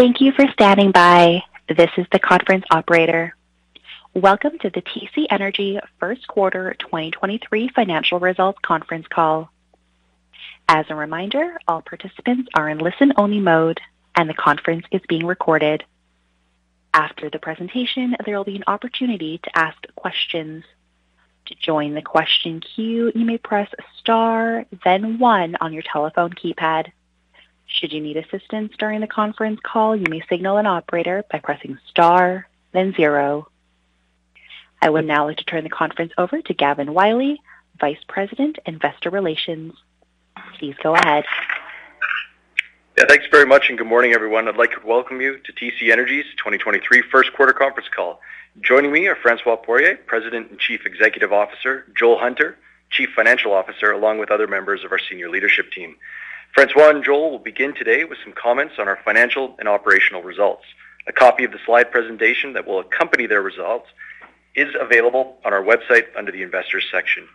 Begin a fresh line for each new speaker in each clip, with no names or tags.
Thank you for standing by. This is the conference operator. Welcome to the TC Energy first quarter 2023 financial results conference call. As a reminder, all participants are in listen-only mode, and the conference is being recorded. After the presentation, there will be an opportunity to ask questions. To join the question queue, you may press star then one on your telephone keypad. Should you need assistance during the conference call, you may signal an operator by pressing star then zero. I would now like to turn the conference over to Gavin Wylie, Vice President, Investor Relations. Please go ahead.
Yeah, thanks very much, and good morning, everyone. I'd like to welcome you to TC Energy's 2023 first quarter conference call. Joining me are François Poirier, President and Chief Executive Officer, Joel Hunter, Chief Financial Officer, along with other members of our senior leadership team. François and Joel will begin today with some comments on our financial and operational results. A copy of the slide presentation that will accompany their results is available on our website under the investors section.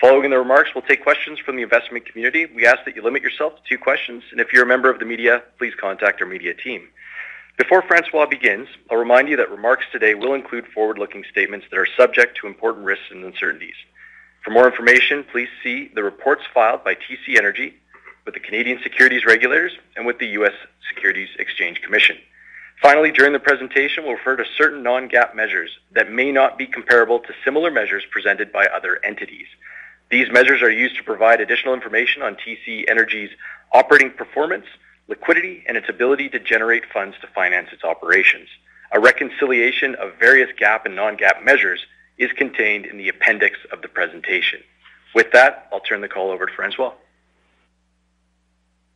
Following the remarks, we'll take questions from the investment community. We ask that you limit yourself to two questions. If you're a member of the media, please contact our media team. Before François begins, I'll remind you that remarks today will include forward-looking statements that are subject to important risks and uncertainties. For more information, please see the reports filed by TC Energy with the Canadian Securities Regulators and with the US Securities Exchange Commission. Finally, during the presentation, we'll refer to certain non-GAAP measures that may not be comparable to similar measures presented by other entities. These measures are used to provide additional information on TC Energy's operating performance, liquidity, and its ability to generate funds to finance its operations. A reconciliation of various GAAP and non-GAAP measures is contained in the appendix of the presentation. With that, I'll turn the call over to François.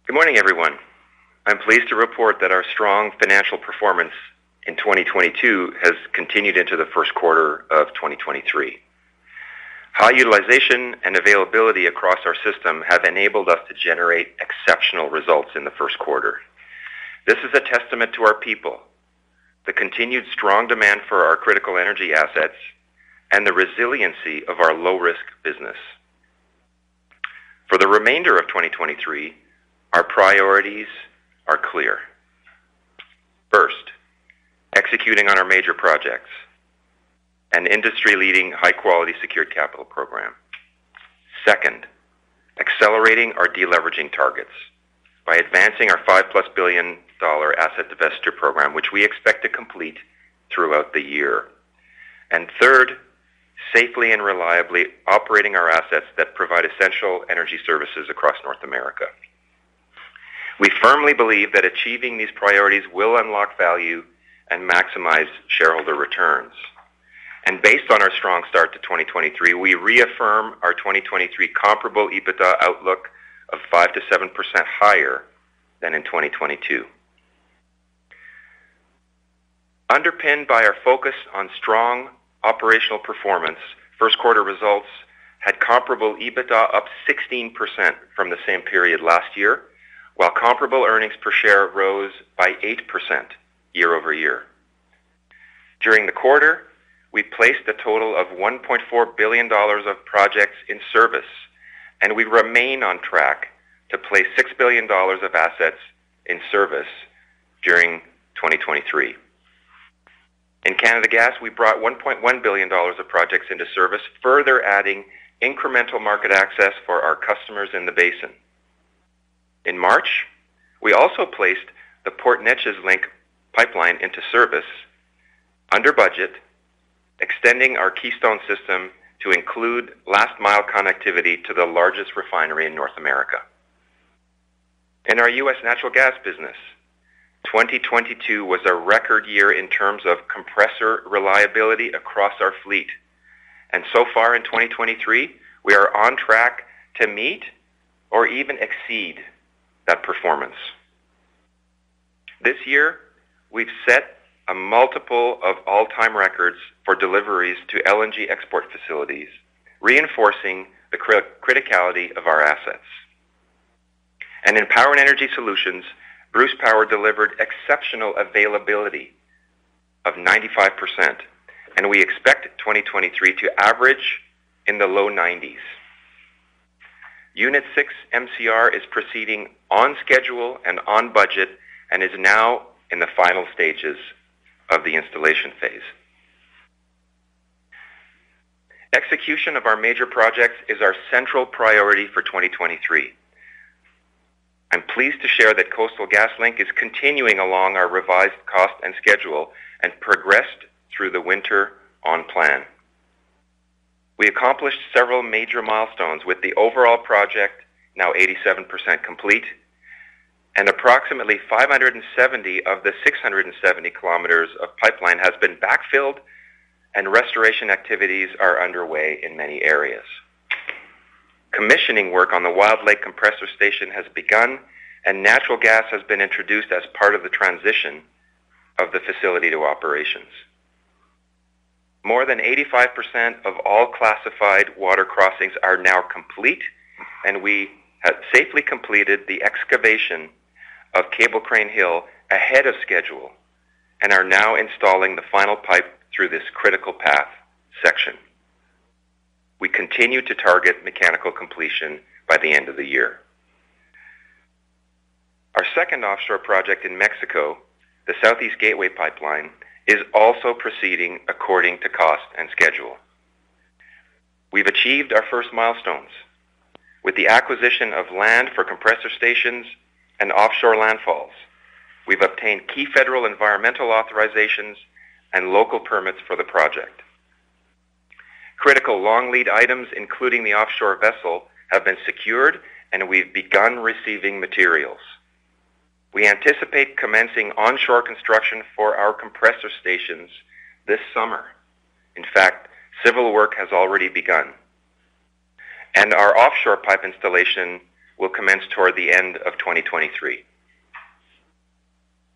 Good morning, everyone. I'm pleased to report that our strong financial performance in 2022 has continued into the first quarter of 2023. High utilization and availability across our system have enabled us to generate exceptional results in the first quarter. This is a testament to our people, the continued strong demand for our critical energy assets, and the resiliency of our low-risk business. For the remainder of 2023, our priorities are clear. First, executing on our major projects, an industry-leading high-quality secured capital program. Second, accelerating our deleveraging targets by advancing our $5+ billion asset divestiture program, which we expect to complete throughout the year. Third, safely and reliably operating our assets that provide essential energy services across North America. We firmly believe that achieving these priorities will unlock value and maximize shareholder returns. Based on our strong start to 2023, we reaffirm our 2023 comparable EBITDA outlook of 5%-7% higher than in 2022. Underpinned by our focus on strong operational performance, first quarter results had comparable EBITDA up 16% from the same period last year, while comparable earnings per share rose by 8% year-over-year. During the quarter, we placed a total of 1.4 billion dollars of projects in service, and we remain on track to place 6 billion dollars of assets in service during 2023. In Canada Gas, we brought 1.1 billion dollars of projects into service, further adding incremental market access for our customers in the basin. In March, we also placed the Port Neches Link pipeline into service under budget, extending our Keystone system to include last mile connectivity to the largest refinery in North America. In our U.S. Natural Gas business, 2022 was a record year in terms of compressor reliability across our fleet. So far in 2023, we are on track to meet or even exceed that performance. This year, we've set a multiple of all-time records for deliveries to LNG export facilities, reinforcing the criticality of our assets. In Power and Energy Solutions, Bruce Power delivered exceptional availability of 95%, and we expect 2023 to average in the low nineties. Unit 6 MCR is proceeding on schedule and on budget and is now in the final stages of the installation phase. Execution of our major projects is our central priority for 2023. I'm pleased to share that Coastal GasLink is continuing along our revised cost and schedule and progressed through the winter on plan. We accomplished several major milestones with the overall project now 87% complete. Approximately 570 of the 670 km of pipeline has been backfilled, and restoration activities are underway in many areas. Commissioning work on the Wild Lake Compressor Station has begun. Natural gas has been introduced as part of the transition of the facility to operations. More than 85% of all classified water crossings are now complete. We have safely completed the excavation of Cable Crane Hill ahead of schedule. Continue to target mechanical completion by the end of the year. Our second offshore project in Mexico, the Southeast Gateway Pipeline, is also proceeding according to cost and schedule. We've achieved our first milestones with the acquisition of land for compressor stations and offshore landfalls. We've obtained key federal environmental authorizations and local permits for the project. Critical long lead items, including the offshore vessel, have been secured and we've begun receiving materials. We anticipate commencing onshore construction for our compressor stations this summer. In fact, civil work has already begun, and our offshore pipe installation will commence toward the end of 2023.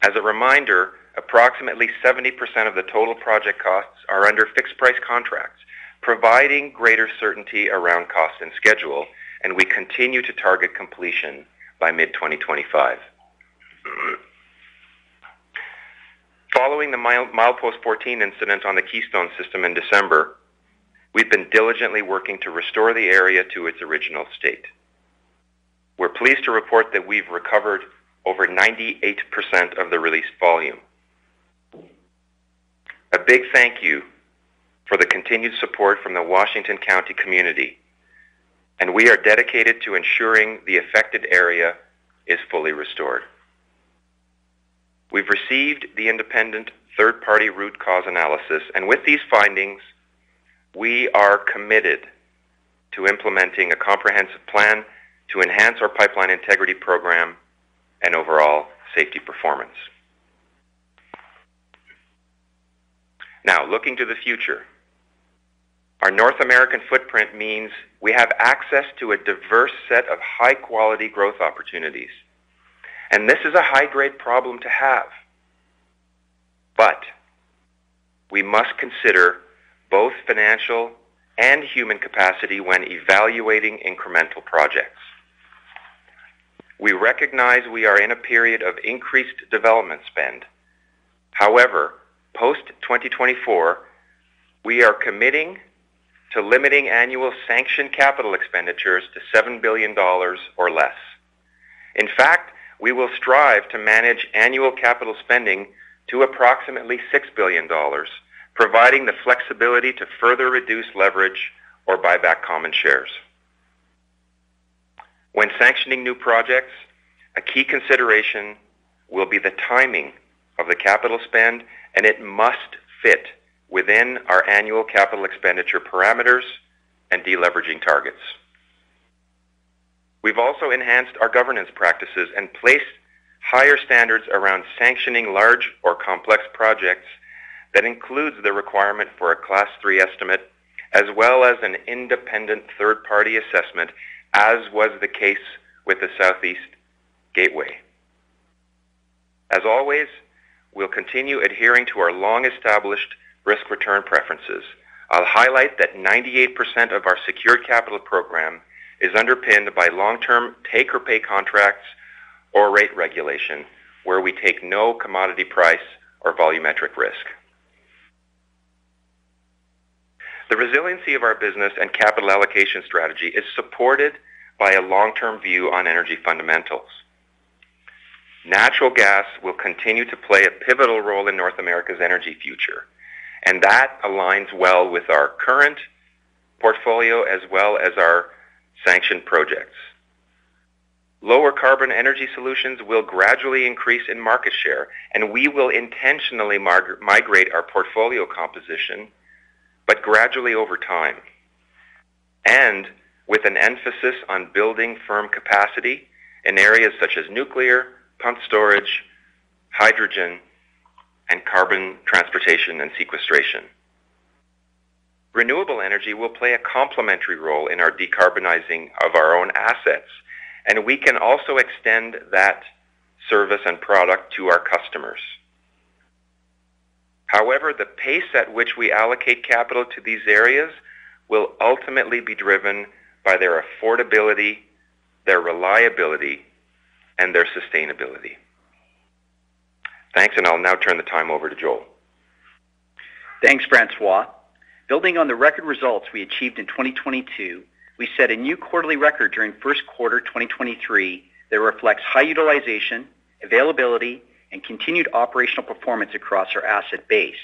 As a reminder, approximately 70% of the total project costs are under fixed-price contracts, providing greater certainty around cost and schedule, and we continue to target completion by mid-2025. Following the Milepost 14 incident on the Keystone system in December, we've been diligently working to restore the area to its original state. We're pleased to report that we've recovered over 98% of the released volume. A big thank you for the continued support from the Washington County community. We are dedicated to ensuring the affected area is fully restored. We've received the independent third-party root cause analysis. With these findings, we are committed to implementing a comprehensive plan to enhance our pipeline integrity program and overall safety performance. Looking to the future. Our North American footprint means we have access to a diverse set of high-quality growth opportunities, and this is a high-grade problem to have. We must consider both financial and human capacity when evaluating incremental projects. We recognize we are in a period of increased development spend. Post-2024, we are committing to limiting annual sanctioned capital expenditures to $7 billion or less. In fact, we will strive to manage annual capital spending to approximately 6 billion dollars, providing the flexibility to further reduce leverage or buy back common shares. When sanctioning new projects, a key consideration will be the timing of the capital spend, and it must fit within our annual capital expenditure parameters and deleveraging targets. We've also enhanced our governance practices and placed higher standards around sanctioning large or complex projects. That includes the requirement for a Class 3 estimate as well as an independent third-party assessment, as was the case with the Southeast Gateway. As always, we'll continue adhering to our long-established risk-return preferences. I'll highlight that 98% of our secured capital program is underpinned by long-term take-or-pay contracts or rate regulation, where we take no commodity price or volumetric risk. The resiliency of our business and capital allocation strategy is supported by a long-term view on energy fundamentals. That aligns well with our current portfolio as well as our sanctioned projects. We will intentionally migrate our portfolio composition, gradually over time, with an emphasis on building firm capacity in areas such as nuclear, pumped storage, hydrogen, and carbon transportation and sequestration. Renewable energy will play a complementary role in our decarbonizing of our own assets. We can also extend that service and product to our customers. However, the pace at which we allocate capital to these areas will ultimately be driven by their affordability, their reliability, and their sustainability. Thanks, I'll now turn the time over to Joel.
Thanks, François. Building on the record results we achieved in 2022, we set a new quarterly record during first quarter 2023 that reflects high utilization, availability, and continued operational performance across our asset base.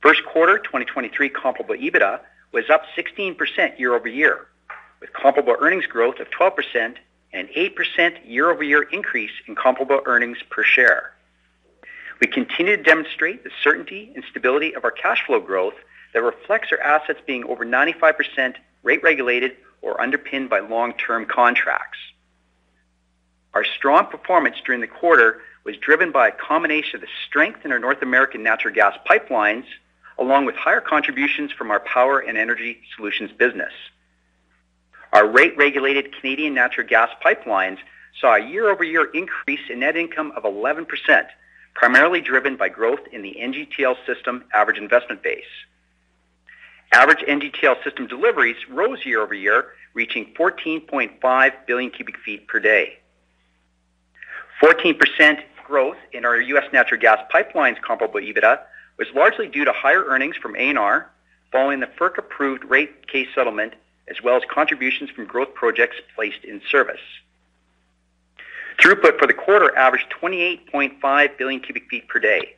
First quarter 2023 comparable EBITDA was up 16% year-over-year, with comparable earnings growth of 12% and 8% year-over-year increase in comparable earnings per share. We continue to demonstrate the certainty and stability of our cash flow growth that reflects our assets being over 95% rate regulated or underpinned by long-term contracts. Our strong performance during the quarter was driven by a combination of the strength in our North American natural gas pipelines, along with higher contributions from our Power and Energy Solutions business. Our rate-regulated Canadian Natural Gas Pipelines saw a year-over-year increase in net income of 11%, primarily driven by growth in the NGTL system average investment base. Average NGTL system deliveries rose year-over-year, reaching 14.5 billion cubic feet per day. 14% growth in our U.S. natural gas pipelines comparable EBITDA was largely due to higher earnings from ANR following the FERC-approved rate case settlement, as well as contributions from growth projects placed in service. Throughput for the quarter averaged 28.5 billion cubic feet per day,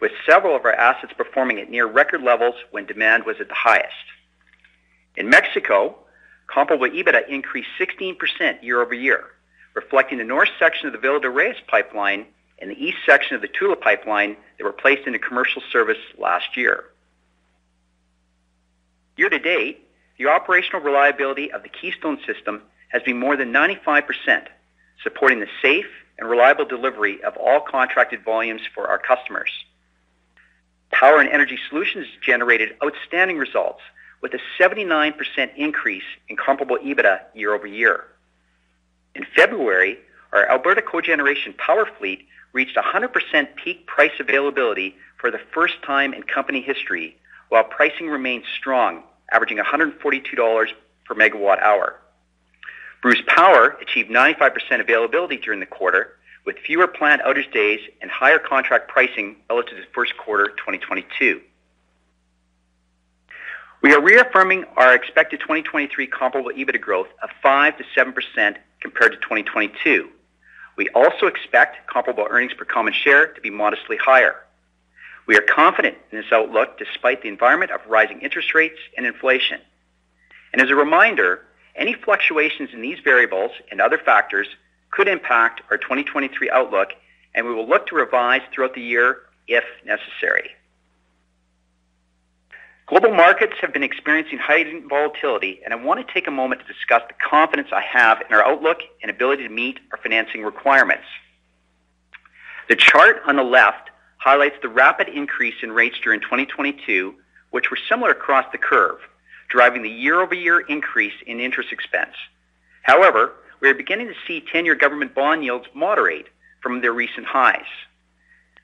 with several of our assets performing at near record levels when demand was at the highest. In Mexico, comparable EBITDA increased 16% year-over-year, reflecting the north section of the Villa de Reyes Pipeline and the east section of the Tula Pipeline that were placed into commercial service last year. Year-to-date, the operational reliability of the Keystone system has been more than 95%, supporting the safe and reliable delivery of all contracted volumes for our customers. Power and Energy Solutions generated outstanding results with a 79% increase in comparable EBITDA year-over-year. In February, our Alberta cogeneration power fleet reached 100% peak price availability for the first time in company history while pricing remained strong, averaging 142 dollars per megawatt-hour. Bruce Power achieved 95% availability during the quarter, with fewer plant outage days and higher contract pricing relative to first quarter 2022. We are reaffirming our expected 2023 comparable EBITDA growth of 5%-7% compared to 2022. We also expect comparable earnings per common share to be modestly higher. We are confident in this outlook despite the environment of rising interest rates and inflation. As a reminder, any fluctuations in these variables and other factors could impact our 2023 outlook, and we will look to revise throughout the year if necessary. Global markets have been experiencing heightened volatility, and I want to take a moment to discuss the confidence I have in our outlook and ability to meet our financing requirements. The chart on the left highlights the rapid increase in rates during 2022, which were similar across the curve, driving the year-over-year increase in interest expense. However, we are beginning to see 10-year government bond yields moderate from their recent highs.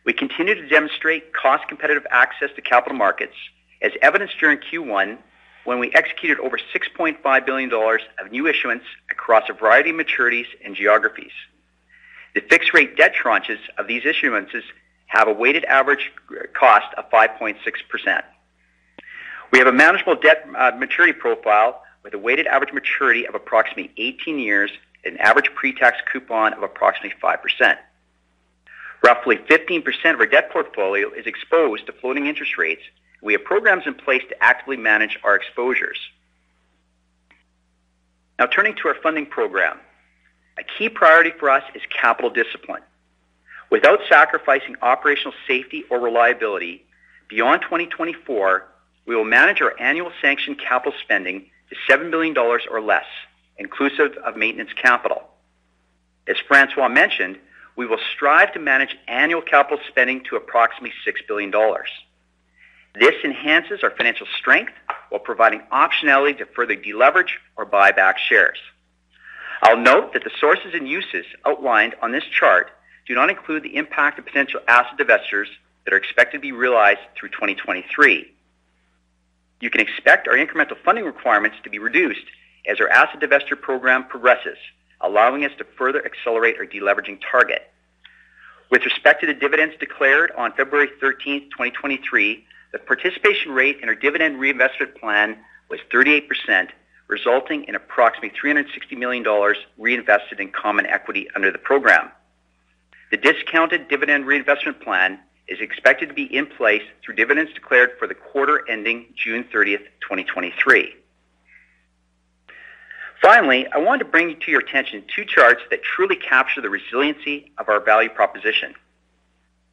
We continue to demonstrate cost-competitive access to capital markets as evidenced during Q1 when we executed over 6.5 billion dollars of new issuance across a variety of maturities and geographies. The fixed rate debt tranches of these issuances have a weighted average cost of 5.6%. We have a manageable debt maturity profile with a weighted average maturity of approximately 18 years and average pre-tax coupon of approximately 5%. Roughly 15% of our debt portfolio is exposed to floating interest rates. We have programs in place to actively manage our exposures. Turning to our funding program. A key priority for us is capital discipline. Without sacrificing operational safety or reliability, beyond 2024, we will manage our annual sanctioned capital spending to 7 billion dollars or less, inclusive of maintenance capital. As François mentioned, we will strive to manage annual capital spending to approximately 6 billion dollars. This enhances our financial strength while providing optionality to further deleverage or buy back shares. I'll note that the sources and uses outlined on this chart do not include the impact of potential asset divestitures that are expected to be realized through 2023. You can expect our incremental funding requirements to be reduced as our asset divestiture program progresses, allowing us to further accelerate our deleveraging target. With respect to the dividends declared on February 13, 2023, the participation rate in our dividend reinvestment plan was 38%, resulting in approximately 360 million dollars reinvested in common equity under the program. The discounted dividend reinvestment plan is expected to be in place through dividends declared for the quarter ending June 30, 2023. I want to bring to your attention two charts that truly capture the resiliency of our value proposition.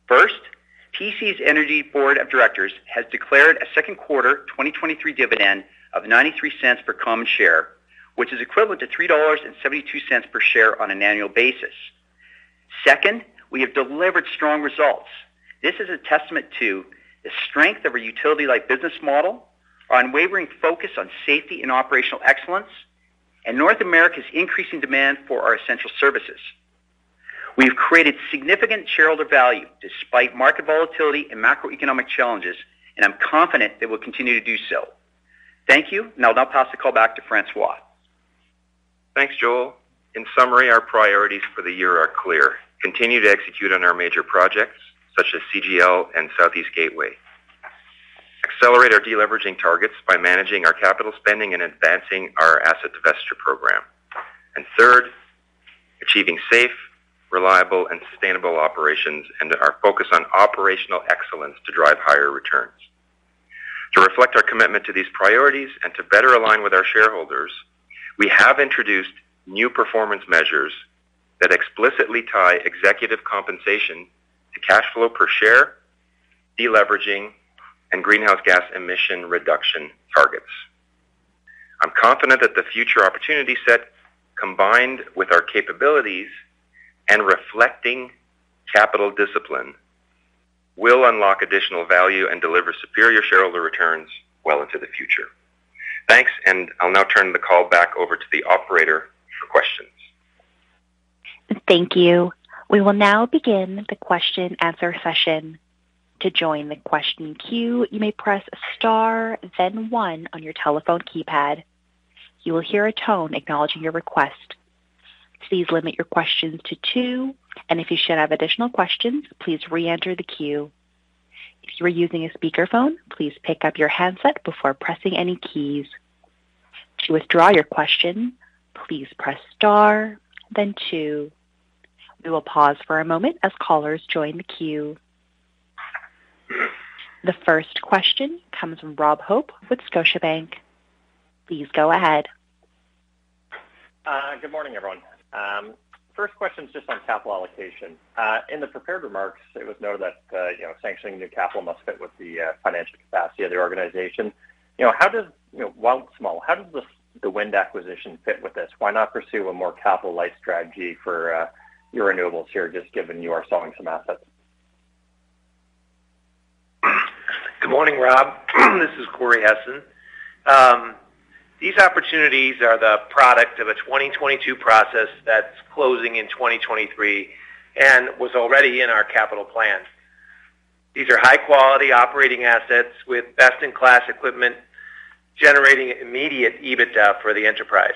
TC Energy's board of directors has declared a second quarter 2023 dividend of 0.93 per common share, which is equivalent to 3.72 dollars per share on an annual basis. We have delivered strong results. This is a testament to the strength of our utility-like business model, our unwavering focus on safety and operational excellence, and North America's increasing demand for our essential services. We have created significant shareholder value despite market volatility and macroeconomic challenges. I'm confident that we'll continue to do so. Thank you. I'll now pass the call back to François.
Thanks, Joel. In summary, our priorities for the year are clear. Continue to execute on our major projects, such as CGL and Southeast Gateway. Accelerate our deleveraging targets by managing our capital spending and advancing our asset divestiture program. Third, achieving safe, reliable, and sustainable operations and our focus on operational excellence to drive higher returns. To reflect our commitment to these priorities and to better align with our shareholders, we have introduced new performance measures that explicitly tie executive compensation to cash flow per share, deleveraging, and greenhouse gas emission reduction targets. I'm confident that the future opportunity set, combined with our capabilities and reflecting capital discipline, will unlock additional value and deliver superior shareholder returns well into the future. Thanks. I'll now turn the call back over to the operator for questions.
Thank you. We will now begin the question and answer session. To join the question queue, you may press star then one on your telephone keypad. You will hear a tone acknowledging your request. Please limit your questions to two. If you should have additional questions, please re-enter the queue. If you are using a speakerphone, please pick up your handset before pressing any keys. To withdraw your question, please press star then two. We will pause for a moment as callers join the queue. The first question comes from Rob Hope with Scotiabank. Please go ahead.
Good morning, everyone. First question is just on capital allocation. In the prepared remarks, it was noted that, you know, sanctioning new capital must fit with the financial capacity of the organization. You know, while small, how does the wind acquisition fit with this? Why not pursue a more capital-light strategy for your renewables here, just given you are selling some assets?
Good morning, Rob. This is Corey Hessen. These opportunities are the product of a 2022 process that's closing in 2023 and was already in our capital plan. These are high-quality operating assets with best-in-class equipment, generating immediate EBITDA for the enterprise.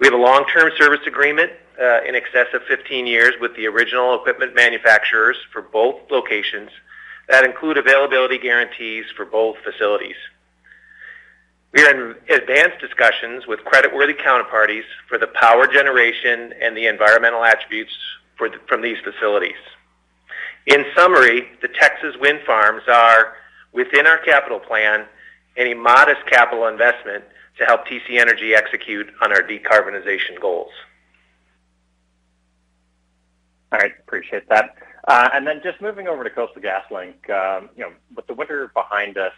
We have a long-term service agreement, in excess of 15 years with the original equipment manufacturers for both locations that include availability guarantees for both facilities. We're in advanced discussions with creditworthy counterparties for the power generation and the environmental attributes from these facilities. In summary, the Texas wind farms are within our capital plan and a modest capital investment to help TC Energy execute on our decarbonization goals.
All right. Appreciate that. Just moving over to Coastal GasLink, you know, with the winter behind us,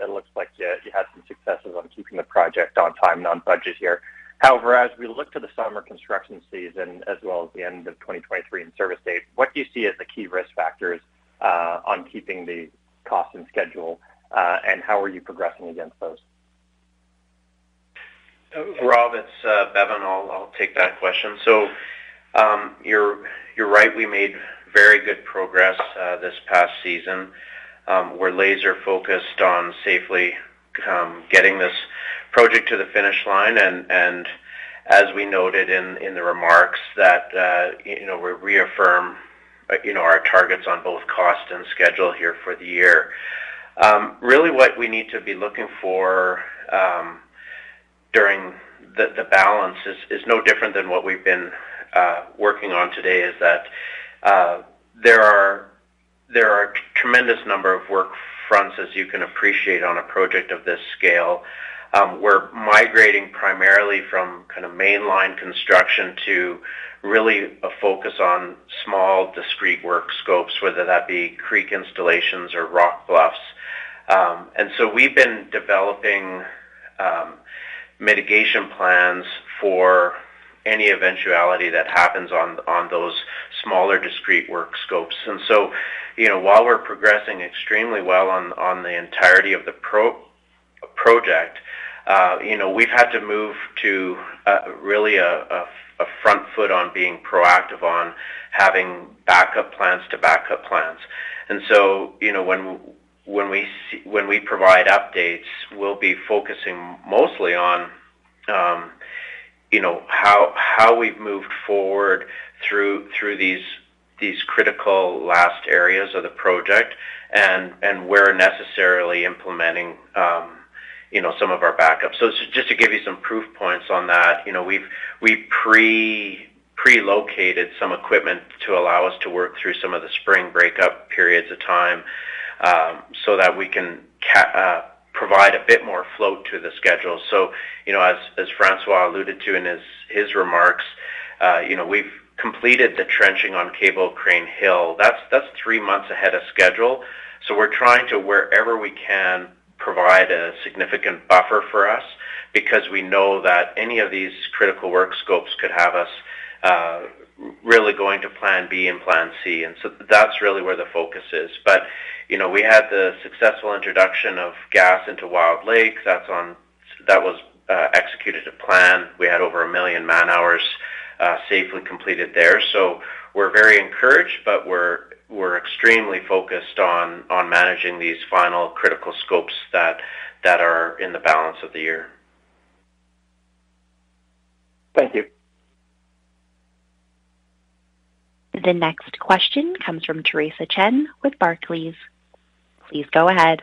it looks like you had some successes on keeping the project on time and on budget here. However, as we look to the summer construction season as well as the end of 2023 in service date, what do you see as the key risk factors on keeping the cost and schedule, and how are you progressing against those?
Rob, it's Bevin. I'll take that question. You're right, we made very good progress this past season. We're laser-focused on safely getting this project to the finish line. As we noted in the remarks that, you know, we reaffirm, you know, our targets on both cost and schedule here for the year. Really what we need to be looking for during the balance is no different than what we've been working on today, is that there are a tremendous number of work fronts, as you can appreciate, on a project of this scale. We're migrating primarily from kind of mainline construction to really a focus on small, discrete work scopes, whether that be creek installations or rock bluffs. We've been developing mitigation plans for any eventuality that happens on those smaller, discrete work scopes. You know, while we're progressing extremely well on the entirety of the project, you know, we've had to move to really a front foot on being proactive on having backup plans to backup plans. You know, when we provide updates, we'll be focusing mostly on, you know, how we've moved forward through these critical last areas of the project and we're necessarily implementing, you know, some of our backups. Just to give you some proof points on that, you know, we've pre-relocated some equipment to allow us to work through some of the spring breakup periods of time, so that we can provide a bit more flow to the schedule. You know, as François alluded to in his remarks, you know, we've completed the trenching on Cable Crane Hill. That's 3 months ahead of schedule. We're trying to, wherever we can, provide a significant buffer for us because we know that any of these critical work scopes could have us really going to plan B and plan C. That's really where the focus is. You know, we had the successful introduction of gas into Wild Lake. That was executed to plan. We had over 1 million man-hours, safely completed there. We're very encouraged, but we're extremely focused on managing these final critical scopes that are in the balance of the year.
Thank you.
The next question comes from Theresa Chen with Barclays. Please go ahead.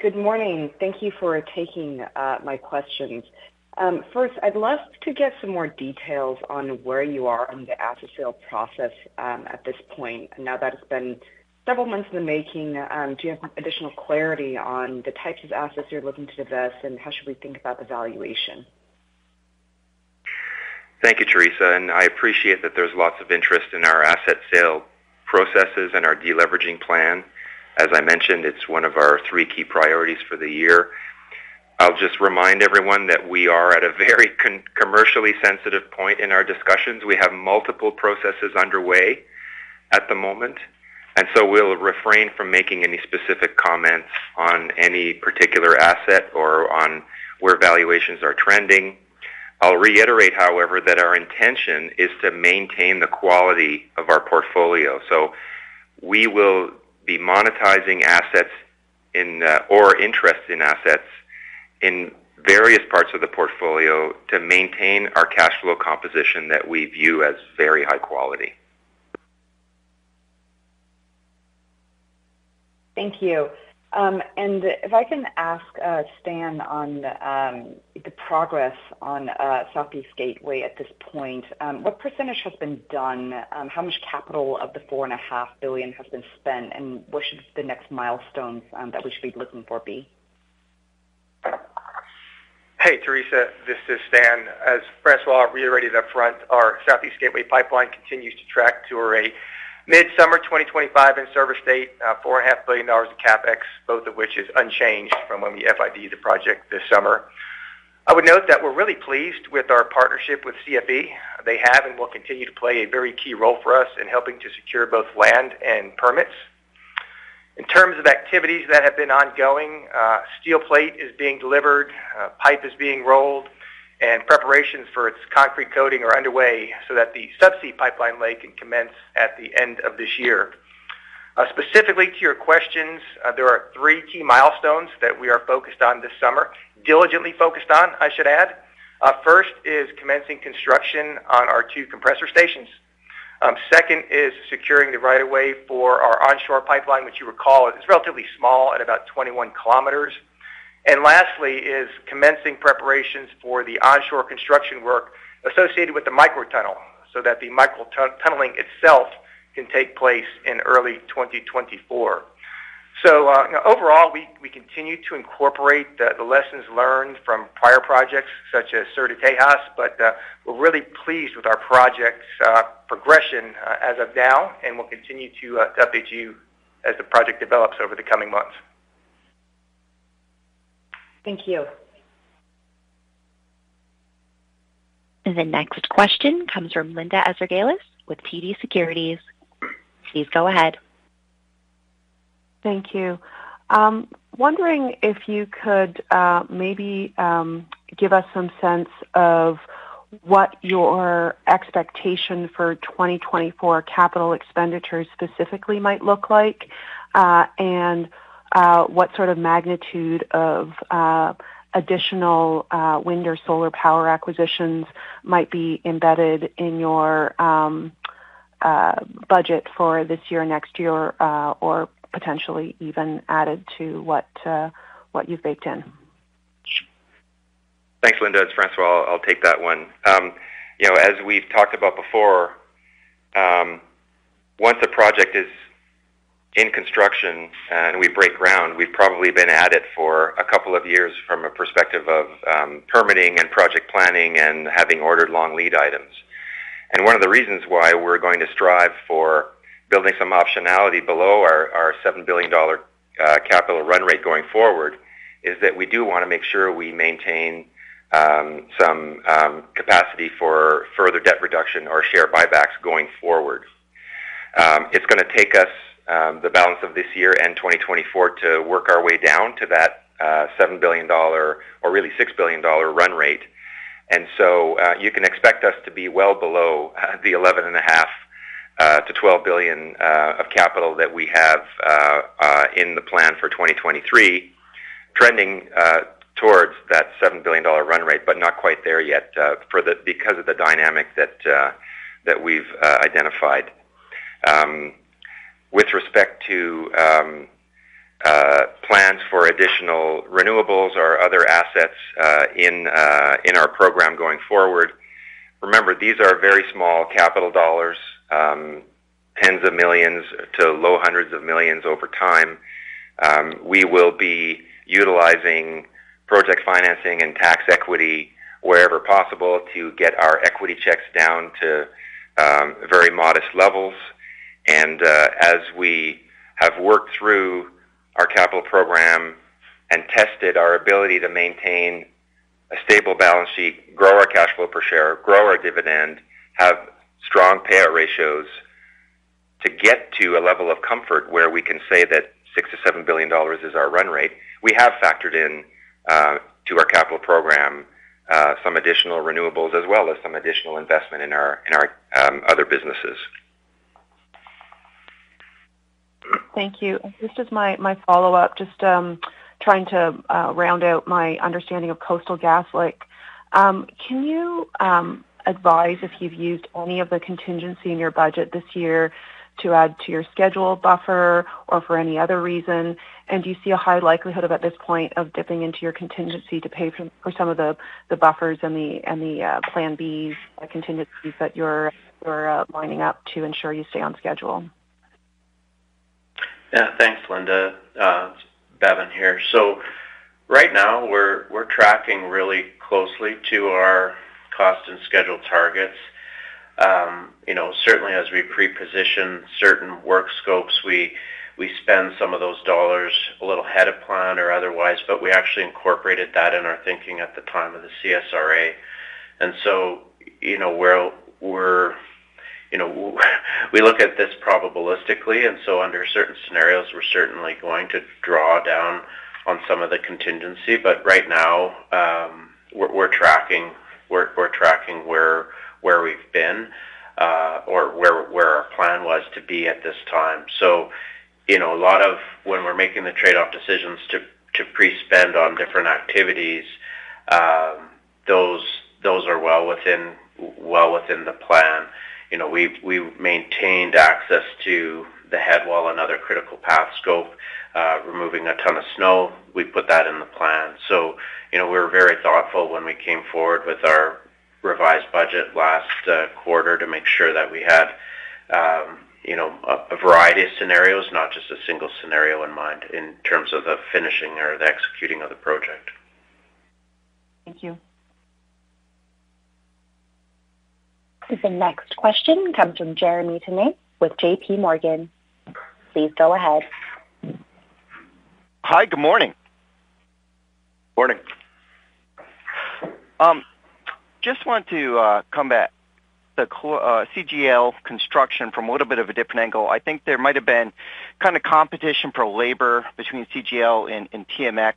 Good morning. Thank you for taking my questions. First, I'd love to get some more details on where you are on the asset sale process at this point. Now that it's been several months in the making, do you have additional clarity on the types of assets you're looking to divest, and how should we think about the valuation?
Thank you, Theresa. I appreciate that there's lots of interest in our asset sale processes and our deleveraging plan. As I mentioned, it's one of our three key priorities for the year. I'll just remind everyone that we are at a very commercially sensitive point in our discussions. We have multiple processes underway at the moment, we'll refrain from making any specific comments on any particular asset or on where valuations are trending.
I'll reiterate, however, that our intention is to maintain the quality of our portfolio. We will be monetizing assets in, or interest in assets in various parts of the portfolio to maintain our cash flow composition that we view as very high quality.
Thank you. If I can ask Stan on the progress on Southeast Gateway at this point. What percentage has been done? How much capital of the $4.5 billion has been spent, and what should the next milestones that we should be looking for be?
Hey, Theresa, this is Stan. As François reiterated up front, our Southeast Gateway Pipeline continues to track to a mid-summer 2025 in-service date, four and a half billion dollars of CapEx, both of which is unchanged from when we FID the project this summer. I would note that we're really pleased with our partnership with CFE. They have and will continue to play a very key role for us in helping to secure both land and permits. In terms of activities that have been ongoing, steel plate is being delivered, pipe is being rolled, and preparations for its concrete coating are underway so that the subsea pipeline lay can commence at the end of this year. Specifically to your questions, there are 3 key milestones that we are focused on this summer. Diligently focused on, I should add. First is commencing construction on our 2 compressor stations. Second is securing the right of way for our onshore pipeline, which you recall is relatively small at about 21 km. Lastly is commencing preparations for the onshore construction work associated with the microtunnel, so that the microtunneling itself can take place in early 2024. Overall, we continue to incorporate the lessons learned from prior projects such as Sur de Texas, we're really pleased with our project's progression as of now, and we'll continue to update you as the project develops over the coming months.
Thank you.
The next question comes from Linda Ezergailis with TD Securities. Please go ahead.
Thank you. Wondering if you could maybe give us some sense of what your expectation for 2024 capital expenditures specifically might look like, and what sort of magnitude of additional wind or solar power acquisitions might be embedded in your budget for this year or next year, or potentially even added to what you've baked in?
Thanks, Linda. It's François. I'll take that one. You know, as we've talked about before, once a project is in construction and we break ground, we've probably been at it for a couple of years from a perspective of permitting and project planning and having ordered long lead items. One of the reasons why we're going to strive for building some optionality below our CAD $7 billion capital run rate going forward is that we do want to make sure we maintain some capacity for further debt reduction or share buybacks going forward. It's gonna take us the balance of this year and 2024 to work our way down to that CAD $7 billion or really CAD $6 billion run rate. You can expect us to be well below the $11.5 billion-$12 billion of capital that we have in the plan for 2023 trending towards that $7 billion run rate, but not quite there yet because of the dynamic that we've identified. With respect to plans for additional renewables or other assets in our program going forward. Remember, these are very small capital dollars, tens of millions to low hundreds of millions over time. We will be utilizing project financing and tax equity wherever possible to get our equity checks down to very modest levels. As we have worked through our capital program and tested our ability to maintain a stable balance sheet, grow our cash flow per share, grow our dividend, have strong payout ratios to get to a level of comfort where we can say that 6 billion-7 billion dollars is our run rate. We have factored in to our capital program, some additional renewables as well as some additional investment in our other businesses.
Thank you. This is my follow-up. Just trying to round out my understanding of Coastal GasLink. Can you advise if you've used any of the contingency in your budget this year to add to your schedule buffer or for any other reason? Do you see a high likelihood about this point of dipping into your contingency to pay for some of the buffers and the plan B's contingencies that you're lining up to ensure you stay on schedule?
Yeah. Thanks, Linda. Bevin here. Right now we're tracking really closely to our cost and schedule targets. You know, certainly as we pre-position certain work scopes, we spend some of those dollars a little ahead of plan or otherwise, but we actually incorporated that in our thinking at the time of the CSRA. You know, we're
We look at this probabilistically. Under certain scenarios, we're certainly going to draw down on some of the contingency. Right now, we're tracking where we've been, or where our plan was to be at this time. You know, a lot of when we're making the trade-off decisions to pre-spend on different activities, those are well within the plan. You know, we've maintained access to the head wall, another critical path scope, removing a ton of snow. We put that in the plan. You know, we're very thoughtful when we came forward with our revised budget last quarter to make sure that we had, you know, a variety of scenarios, not just a single scenario in mind in terms of the finishing or the executing of the project.
Thank you.
The next question comes from Jeremy Tonet with J.P. Morgan. Please go ahead.
Hi. Good morning.
Morning.
Just want to come back. The CGL construction from a little bit of a different angle. I think there might have been kind of competition for labor between CGL and TMX.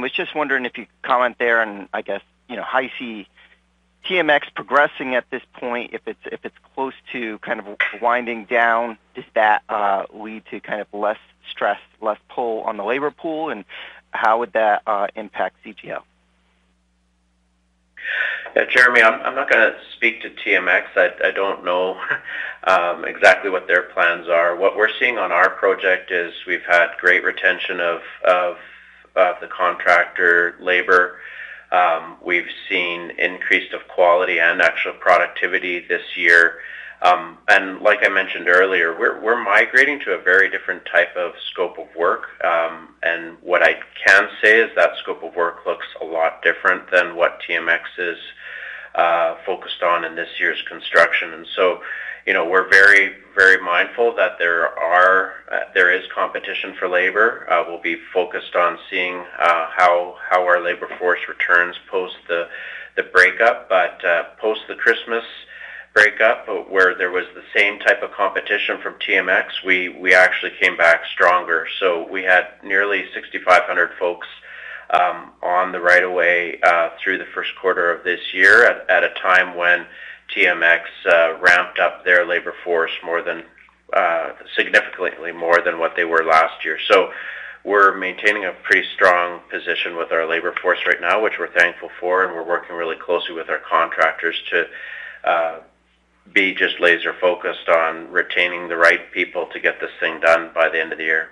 Was just wondering if you could comment there and I guess, you know, how you see TMX progressing at this point, if it's close to kind of winding down, does that lead to kind of less stress, less pull on the labor pool? How would that impact CGL?
Yeah. Jeremy, I'm not gonna speak to TMX. I don't know exactly what their plans are. What we're seeing on our project is we've had great retention of the contractor labor. We've seen increase of quality and actual productivity this year. Like I mentioned earlier, we're migrating to a very different type of scope of work. What I can say is that scope of work looks a lot different than what TMX is focused on in this year's construction. You know, we're very, very mindful that there is competition for labor. We'll be focused on seeing how our labor force returns post the breakup. Post the Christmas breakup, where there was the same type of competition from TMX, we actually came back stronger. We had nearly 6,500 folks on the right of way through the 1st quarter of this year at a time when TMX ramped up their labor force more than significantly more than what they were last year. We're maintaining a pretty strong position with our labor force right now, which we're thankful for, and we're working really closely with our contractors to be just laser-focused on retaining the right people to get this thing done by the end of the year.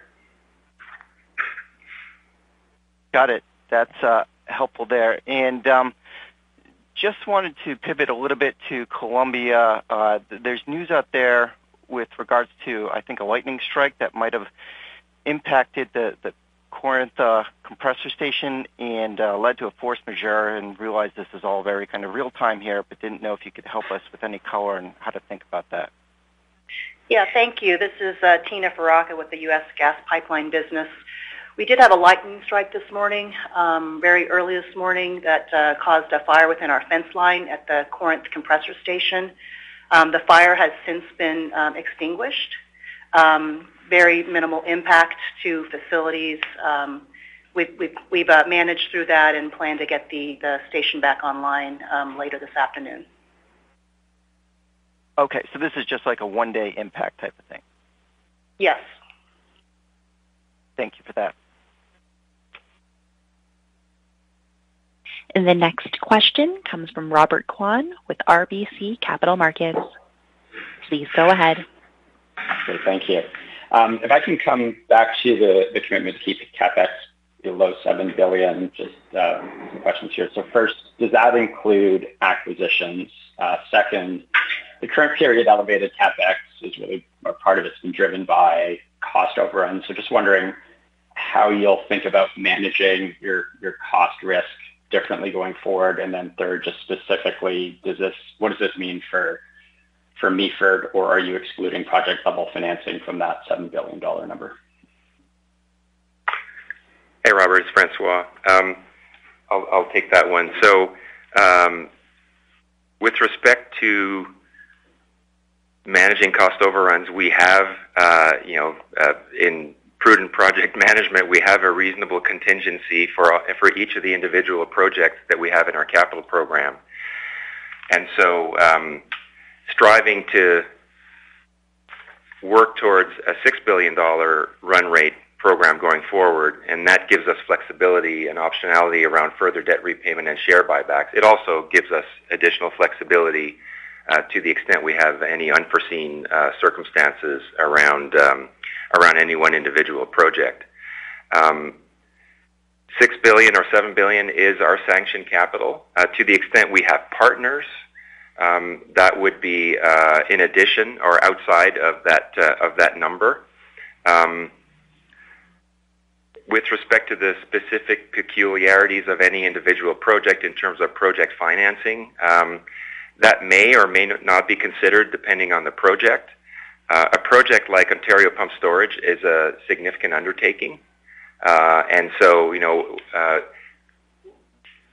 Got it. That's helpful there. Just wanted to pivot a little bit to Columbia. There's news out there with regards to, I think, a lightning strike that might have impacted the Corinth compressor station and led to a force majeure and realized this is all very kind of real-time here, but didn't know if you could help us with any color on how to think about that.
Thank you. This is Tina Faraca with the US Gas Pipeline Business. We did have a lightning strike this morning, very early this morning that caused a fire within our fence line at the Corinth compressor station. The fire has since been extinguished. Very minimal impact to facilities. We've managed through that and plan to get the station back online later this afternoon.
Okay. This is just like a one-day impact type of thing.
Yes.
Thank you for that.
The next question comes from Robert Kwan with RBC Capital Markets. Please go ahead.
Okay. Thank you. If I can come back to the commitment to keep CapEx below 7 billion, just some questions here. First, does that include acquisitions? Second, the current period of elevated CapEx is really, or part of it's been driven by cost overruns. Just wondering how you'll think about managing your cost risk differently going forward? Third, just specifically, what does this mean for Meaford or are you excluding project-level financing from that 7 billion dollar number?
Hey, Robert. It's François. I'll take that one. With respect to managing cost overruns, we have, you know, in prudent project management, we have a reasonable contingency for each of the individual projects that we have in our capital program. Striving to work towards a $6 billion run rate program going forward, that gives us flexibility and optionality around further debt repayment and share buybacks. It also gives us additional flexibility to the extent we have any unforeseen circumstances around any one individual project. $6 billion or $7 billion is our sanctioned capital. To the extent we have partners, that would be in addition or outside of that number. With respect to the specific peculiarities of any individual project in terms of project financing, that may or may not be considered depending on the project. A project like Ontario Pumped Storage is a significant undertaking. You know.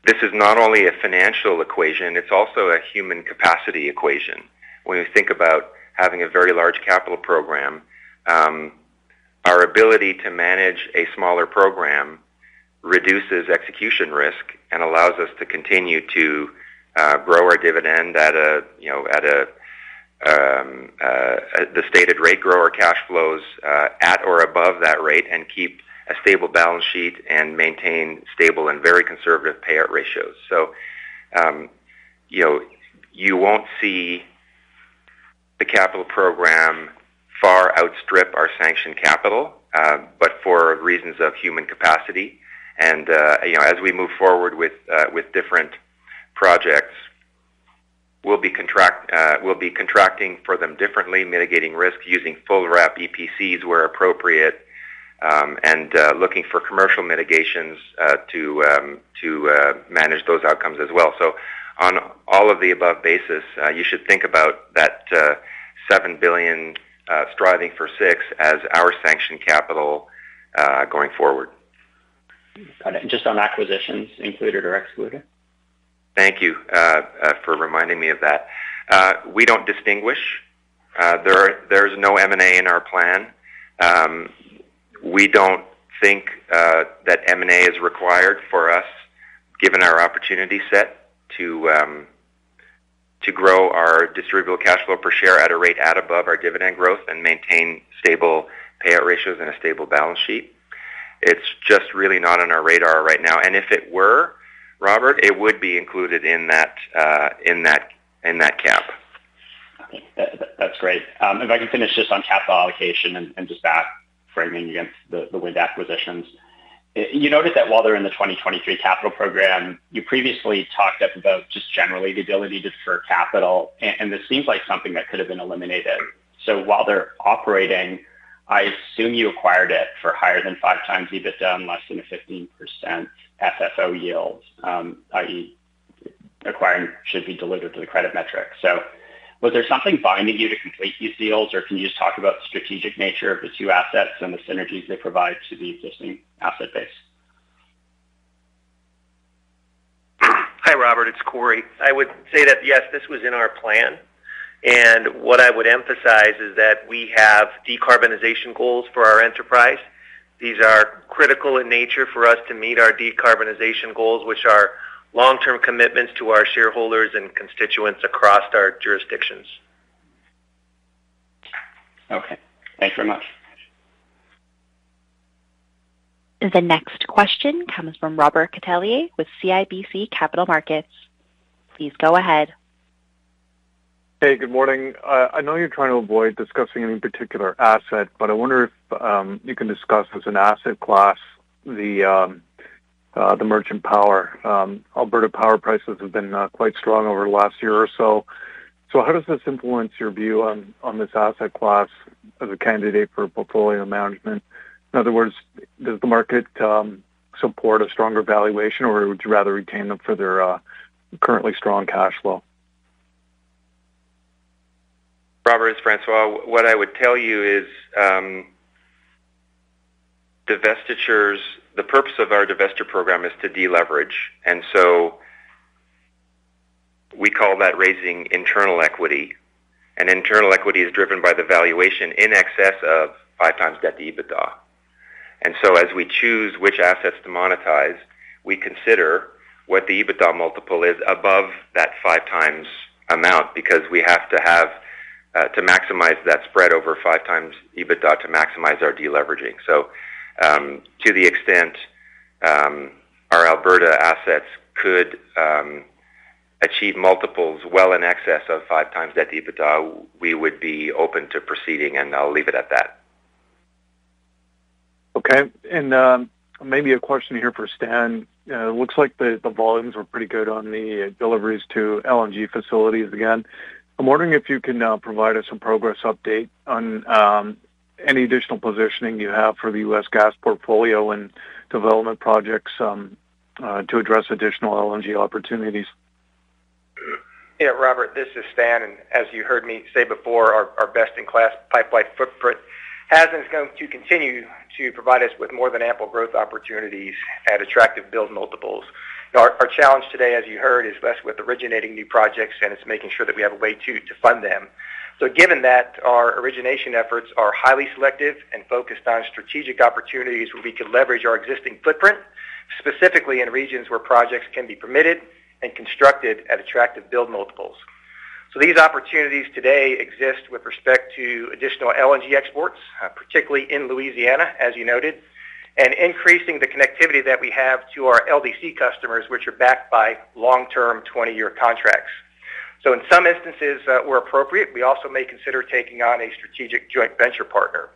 This is not only a financial equation, it's also a human capacity equation. When we think about having a very large capital program, our ability to manage a smaller program reduces execution risk and allows us to continue to grow our dividend at a, you know, at a, the stated rate, grow our cash flows at or above that rate and keep a stable balance sheet and maintain stable and very conservative payout ratios. You know, you won't see the capital program far outstrip our sanctioned capital, but for reasons of human capacity. You know, as we move forward with different projects, we'll be contracting for them differently, mitigating risk using full wrap EPCs where appropriate, and looking for commercial mitigations to manage those outcomes as well. On all of the above basis, you should think about that, 7 billion, striving for 6 as our sanctioned capital, going forward.
Just on acquisitions, included or excluded?
Thank you for reminding me of that. We don't distinguish. There's no M&A in our plan. We don't think that M&A is required for us, given our opportunity set to grow our distributable cash flow per share at a rate above our dividend growth and maintain stable payout ratios and a stable balance sheet. It's just really not on our radar right now. If it were, Robert, it would be included in that cap.
Okay. That's great. If I can finish just on capital allocation and just that framing against the wind acquisitions. You noted that while they're in the 2023 capital program, you previously talked up about just generally the ability to defer capital, and this seems like something that could have been eliminated. While they're operating, I assume you acquired it for higher than 5x EBITDA and less than a 15% FFO yield, i.e., acquiring should be delivered to the credit metric. Was there something binding you to complete these deals, or can you just talk about the strategic nature of the two assets and the synergies they provide to the existing asset base?
Hi, Robert, it's Corey. I would say that, yes, this was in our plan, and what I would emphasize is that we have decarbonization goals for our enterprise. These are critical in nature for us to meet our decarbonization goals, which are long-term commitments to our shareholders and constituents across our jurisdictions.
Okay. Thanks very much.
The next question comes from Robert Catellier with CIBC Capital Markets. Please go ahead.
Hey, good morning. I know you're trying to avoid discussing any particular asset, but I wonder if you can discuss as an asset class the merchant power. Alberta power prices have been quite strong over the last year or so. How does this influence your view on this asset class as a candidate for portfolio management? In other words, does the market support a stronger valuation, or would you rather retain them for their currently strong cash flow?
Robert, it's François. What I would tell you is, divestitures. The purpose of our divesture program is to deleverage. We call that raising internal equity. Internal equity is driven by the valuation in excess of 5 times debt to EBITDA. As we choose which assets to monetize, we consider what the EBITDA multiple is above that 5 times amount, because we have to have to maximize that spread over 5 times EBITDA to maximize our deleveraging. To the extent our Alberta assets could achieve multiples well in excess of 5 times debt to EBITDA, we would be open to proceeding, and I'll leave it at that.
Okay. maybe a question here for Stan. It looks like the volumes were pretty good on the deliveries to LNG facilities again. I'm wondering if you can provide us some progress update on any additional positioning you have for the U.S. gas portfolio and development projects to address additional LNG opportunities.
Yeah, Robert, this is Stan. As you heard me say before, our best-in-class pipeline footprint has and is going to continue to provide us with more than ample growth opportunities at attractive build multiples. Our challenge today, as you heard, is less with originating new projects, and it's making sure that we have a way to fund them. Given that our origination efforts are highly selective and focused on strategic opportunities where we can leverage our existing footprint, specifically in regions where projects can be permitted and constructed at attractive build multiples. These opportunities today exist with respect to additional LNG exports, particularly in Louisiana, as you noted, and increasing the connectivity that we have to our LDC customers, which are backed by long-term 20-year contracts. In some instances, where appropriate, we also may consider taking on a strategic joint venture partner.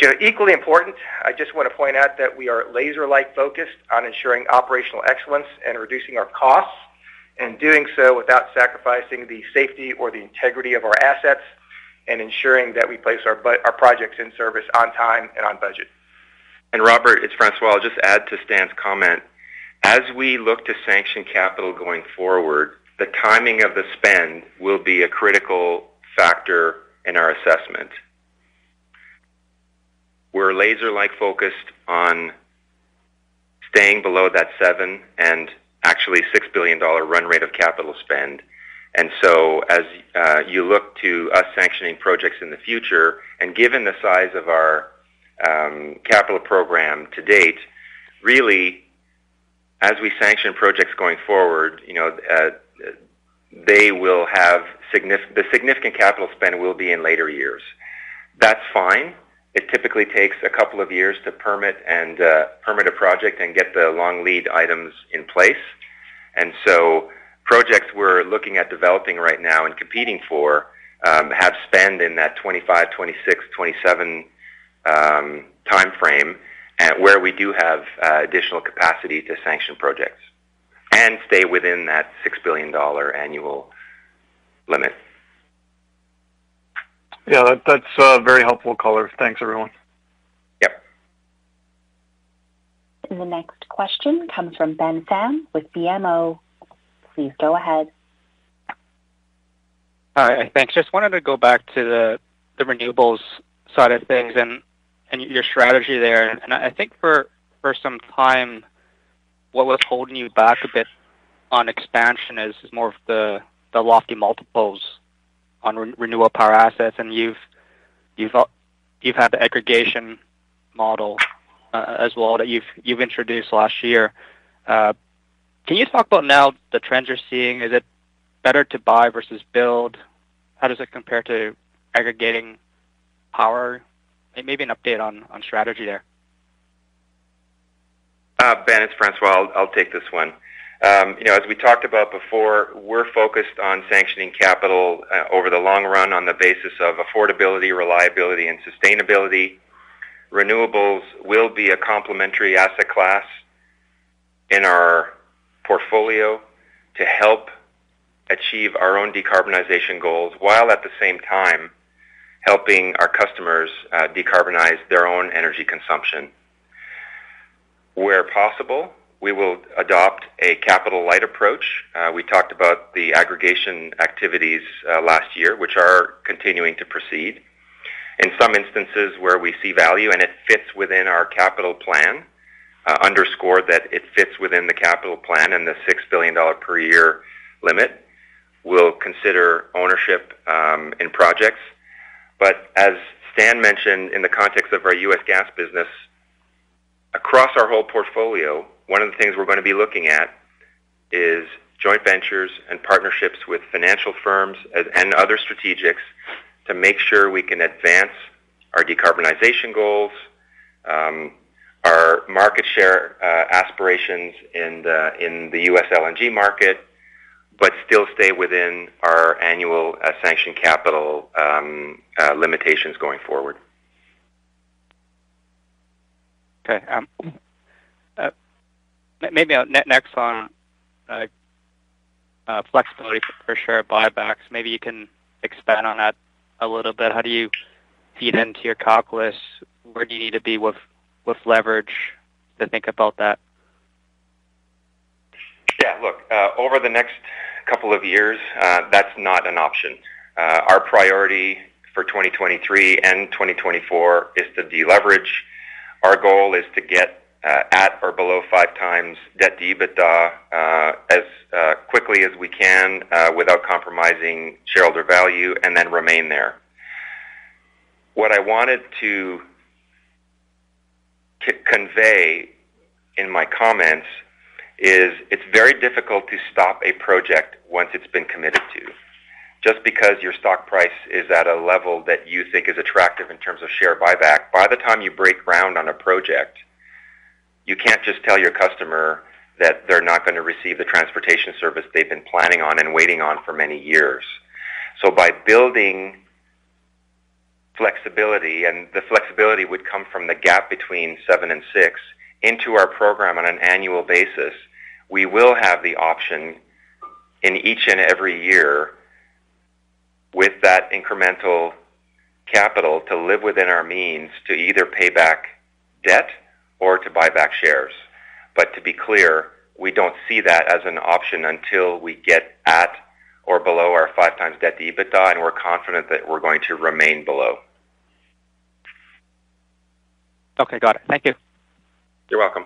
You know, equally important, I just want to point out that we are laser-like focused on ensuring operational excellence and reducing our costs, and doing so without sacrificing the safety or the integrity of our assets and ensuring that we place our projects in service on time and on budget.
Robert, it's François. I'll just add to Stan's comment. As we look to sanction capital going forward, the timing of the spend will be a critical factor in our assessment. Laser-like focused on staying below that $7 billion and actually $6 billion run rate of capital spend. As you look to us sanctioning projects in the future and given the size of our capital program to date, really as we sanction projects going forward, you know, they will have the significant capital spend will be in later years. That's fine. It typically takes a couple of years to permit and permit a project and get the long lead items in place. Projects we're looking at developing right now and competing for, have spend in that 2025, 2026, 2027 time frame, where we do have additional capacity to sanction projects and stay within that 6 billion dollar annual limit.
Yeah, that's very helpful color. Thanks, everyone.
Yep.
The next question comes from Ben Pham with BMO. Please go ahead.
All right. Thanks. Just wanted to go back to the renewables side of things and your strategy there. I think for some time, what was holding you back a bit on expansion is more of the lofty multiples on renewal power assets. You've had the aggregation model as well that you've introduced last year. Can you talk about now the trends you're seeing? Is it better to buy versus build? How does it compare to aggregating power? Maybe an update on strategy there.
Ben, it's François. I'll take this one. You know, as we talked about before, we're focused on sanctioning capital over the long run on the basis of affordability, reliability, and sustainability. Renewables will be a complementary asset class in our portfolio to help achieve our own decarbonization goals while at the same time helping our customers decarbonize their own energy consumption. Where possible, we will adopt a capital-light approach. We talked about the aggregation activities last year, which are continuing to proceed. In some instances where we see value and it fits within our capital plan, underscore that it fits within the capital plan and the 6 billion dollar per year limit, we'll consider ownership in projects. As Stan mentioned in the context of our U.S. gas business, across our whole portfolio, one of the things we're gonna be looking at is joint ventures and partnerships with financial firms and other strategics to make sure we can advance our decarbonization goals, our market share aspirations in the, in the U.S. LNG market, but still stay within our annual sanction capital limitations going forward.
Okay. Maybe next on flexibility for sure, buybacks. Maybe you can expand on that a little bit? How do you feed into your calculus? Where do you need to be with leverage to think about that?
Yeah. Look, over the next couple of years, that's not an option. Our priority for 2023 and 2024 is to deleverage. Our goal is to get at or below 5 times debt to EBITDA as quickly as we can without compromising shareholder value and then remain there. What I wanted to convey in my comments is it's very difficult to stop a project once it's been committed to. Just because your stock price is at a level that you think is attractive in terms of share buyback, by the time you break ground on a project, you can't just tell your customer that they're not gonna receive the transportation service they've been planning on and waiting on for many years. By building flexibility, and the flexibility would come from the gap between 7 and 6 into our program on an annual basis, we will have the option in each and every year with that incremental capital to live within our means to either pay back debt or to buy back shares. To be clear, we don't see that as an option until we get at or below our 5 times debt to EBITDA, and we're confident that we're going to remain below.
Okay. Got it. Thank you.
You're welcome.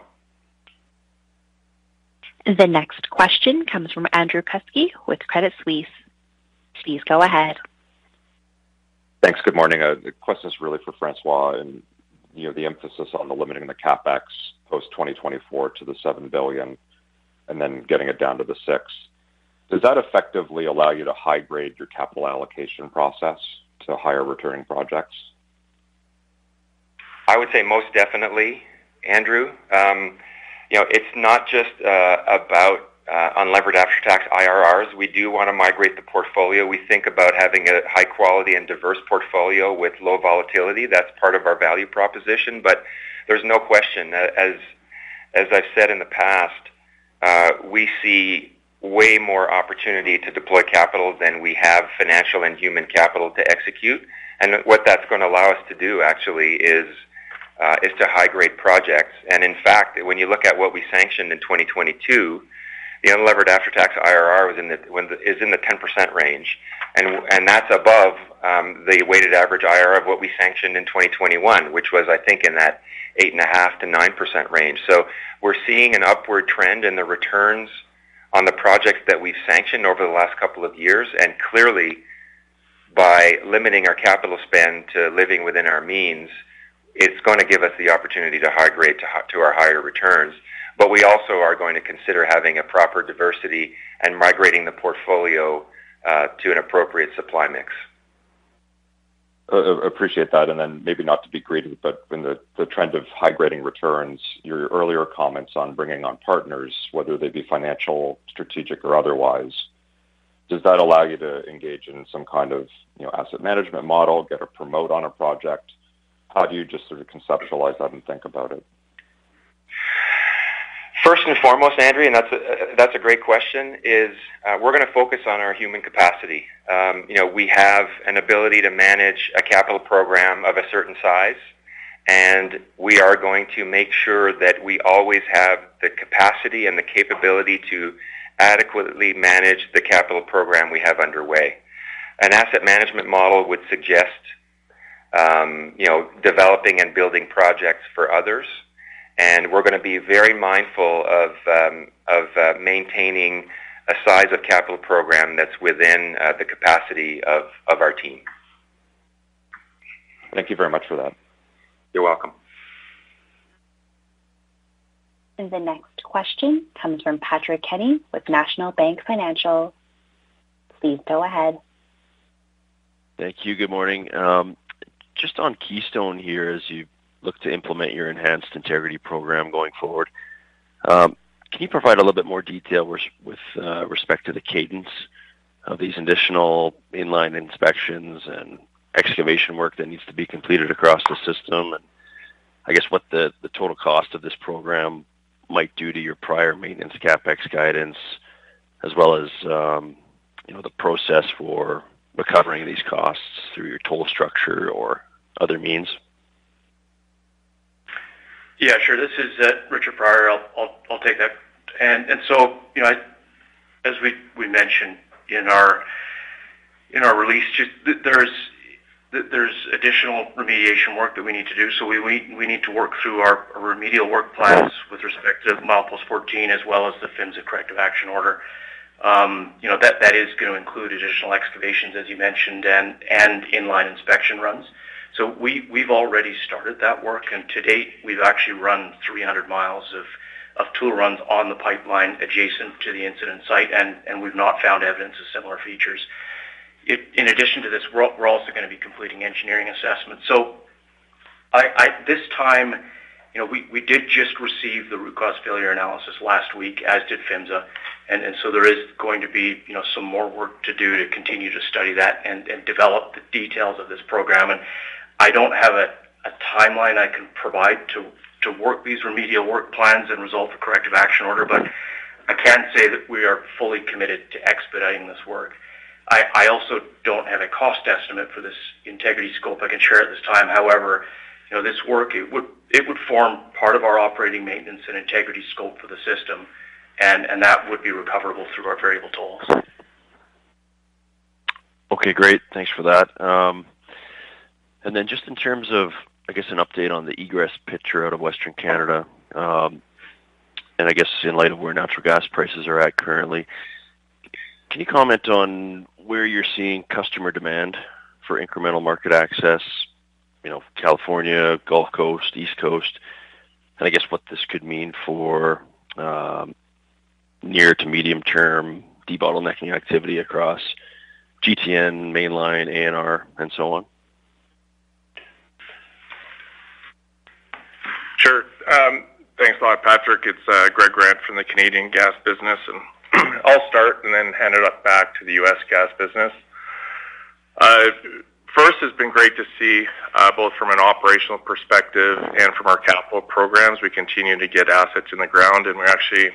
The next question comes from Andrew Kuske with Credit Suisse. Please go ahead.
Thanks. Good morning. The question is really for François and, you know, the emphasis on limiting the CapEx post 2024 to 7 billion and then getting it down to 6 billion. Does that effectively allow you to high grade your capital allocation process to higher returning projects?
I would say most definitely, Andrew. you know, it's not just about unlevered after-tax IRRs. We do wanna migrate the portfolio. We think about having a high quality and diverse portfolio with low volatility. That's part of our value proposition. There's no question, as I've said in the past, we see way more opportunity to deploy capital than we have financial and human capital to execute. What that's gonna allow us to do actually is to high grade projects. In fact, when you look at what we sanctioned in 2022
The unlevered after-tax IRR is in the 10% range, and that's above the weighted average IRR of what we sanctioned in 2021, which was, I think, in that 8.5%-9% range. We're seeing an upward trend in the returns on the projects that we've sanctioned over the last couple of years. Clearly, by limiting our capital spend to living within our means, it's gonna give us the opportunity to high grade to our higher returns. We also are going to consider having a proper diversity and migrating the portfolio to an appropriate supply mix.
Appreciate that. Then maybe not to be greedy, but when the trend of high grading returns, your earlier comments on bringing on partners, whether they be financial, strategic, or otherwise, does that allow you to engage in some kind of, you know, asset management model, get a promote on a project? How do you just sort of conceptualize that and think about it?
First and foremost, Andrew, that's a great question, is we're gonna focus on our human capacity. You know, we have an ability to manage a capital program of a certain size, we are going to make sure that we always have the capacity and the capability to adequately manage the capital program we have underway. An asset management model would suggest, you know, developing and building projects for others, we're gonna be very mindful of maintaining a size of capital program that's within the capacity of our team.
Thank you very much for that.
You're welcome.
The next question comes from Patrick Kenny with National Bank Financial. Please go ahead.
Thank you. Good morning. Just on Keystone here, as you look to implement your enhanced integrity program going forward, can you provide a little bit more detail with respect to the cadence of these additional inline inspections and excavation work that needs to be completed across the system? I guess what the total cost of this program might do to your prior maintenance CapEx guidance, as well as, you know, the process for recovering these costs through your toll structure or other means.
Yeah, sure. This is Richard Prior. I'll take that. So, you know, as we mentioned in our release, just there's additional remediation work that we need to do. We need to work through our remedial work plans with respect to Milepost 14 as well as the PHMSA Corrective Action Order. You know, that is gonna include additional excavations, as you mentioned, and inline inspection runs. We've already started that work, and to date, we've actually run 300 miles of tool runs on the pipeline adjacent to the incident site, and we've not found evidence of similar features. In addition to this, we're also gonna be completing engineering assessments. This time, you know, we did just receive the root cause failure analysis last week, as did PHMSA. There is going to be, you know, some more work to do to continue to study that and develop the details of this program. I don't have a timeline I can provide to work these remedial work plans and resolve the Corrective Action Order, but I can say that we are fully committed to expediting this work. I also don't have a cost estimate for this integrity scope I can share at this time. However, you know, this work, it would form part of our operating maintenance and integrity scope for the system, and that would be recoverable through our variable tolls.
Okay, great. Thanks for that. Just in terms of, I guess, an update on the egress picture out of Western Canada, and I guess in light of where natural gas prices are at currently, can you comment on where you're seeing customer demand for incremental market access, you know, California, Gulf Coast, East Coast, and I guess what this could mean for near to medium-term debottlenecking activity across GTN, Mainline, ANR, and so on?
Sure. Thanks a lot, Patrick. It's Greg Grant from the Canadian gas business, and I'll start and then hand it off back to the US gas business. First, it's been great to see, both from an operational perspective and from our capital programs. We continue to get assets in the ground, and we actually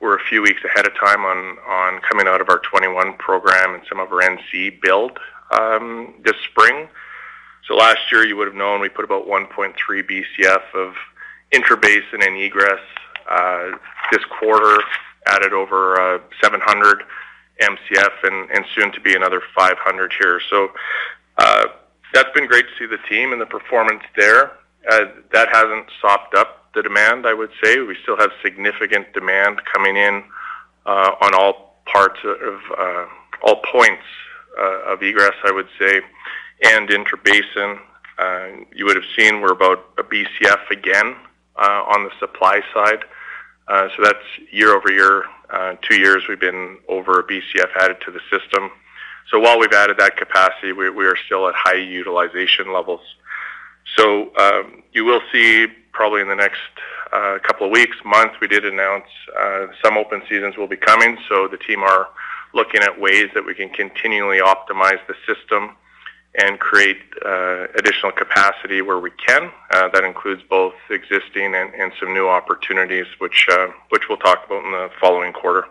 we're a few weeks ahead of time on coming out of our 2021 program and some of our NC build this spring. Last year, you would've known we put about 1.3 Bcf of intrabasin and egress, this quarter, added over 700 Mcf and soon to be another 500 here. That's been great to see the team and the performance there. That hasn't soft up the demand, I would say. We still have significant demand coming in on all parts of all points of egress, I would say, and intrabasin. You would've seen we're about a Bcf again on the supply side. That's year-over-year. Two years we've been over a Bcf added to the system. While we've added that capacity, we are still at high utilization levels. You will see probably in the next couple of weeks, months, we did announce some open seasons will be coming, the team are looking at ways that we can continually optimize the system and create additional capacity where we can. That includes both existing and some new opportunities, which we'll talk about in the following quarter.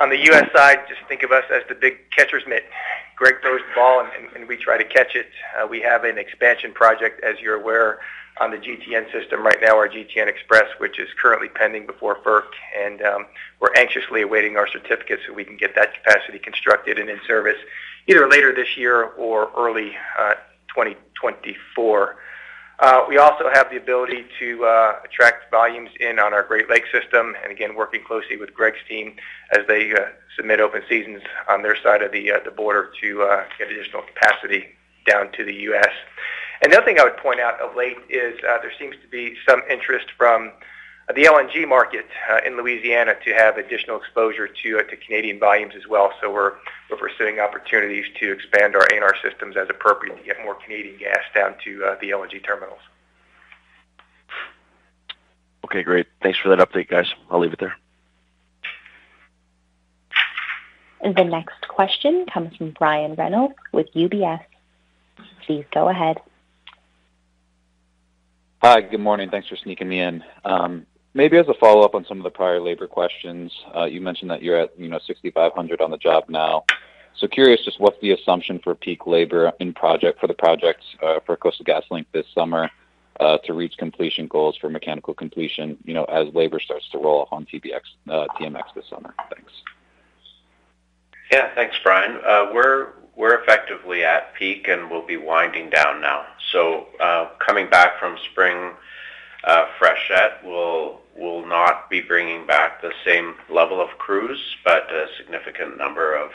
On the U.S. side, just think of us as the big catcher's mitt. Greg throws the ball and we try to catch it. We have an expansion project, as you're aware, on the GTN system right now, our GTN XPress, which is currently pending before FERC, and we're anxiously awaiting our certificate so we can get that capacity constructed and in service either later this year or early 2024. We also have the ability to attract volumes in on our Great Lakes system and again, working closely with Greg's team as they submit open seasons on their side of the border to get additional capacity down to the U.S. Another thing I would point out of late is, there seems to be some interest from the LNG market, in Louisiana to have additional exposure to Canadian volumes as well. We're pursuing opportunities to expand our ANR systems as appropriate to get more Canadian gas down to the LNG terminals.
Okay, great. Thanks for that update, guys. I'll leave it there.
The next question comes from Brian Reynolds with UBS. Please go ahead. Hi. Good morning. Thanks for sneaking me in. Maybe as a follow-up on some of the prior labor questions, you mentioned that you're at, you know, 6,500 on the job now. Curious, just what's the assumption for peak labor in project for the projects for Coastal GasLink this summer to reach completion goals for mechanical completion, you know, as labor starts to roll off on CGL, TMX this summer? Thanks.
Yeah. Thanks, Brian. We're effectively at peak, and we'll be winding down now. Coming back from spring, freshet, we'll not be bringing back the same level of crews, but a significant number of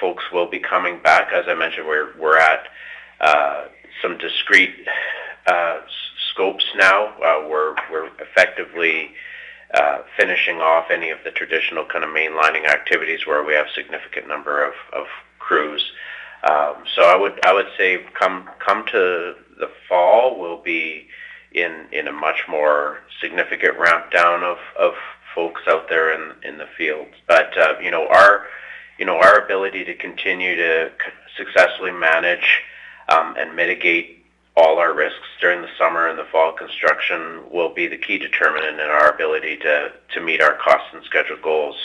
folks will be coming back. As I mentioned, we're at some discrete scopes now. We're effectively finishing off any of the traditional kind of mainlining activities where we have significant number of crews. I would say come to the fall, we'll be in a much more significant ramp down of folks out there in the fields. You know, our, you know, our ability to continue to successfully manage and mitigate all our risks during the summer and the fall construction will be the key determinant in our ability to meet our cost and schedule goals.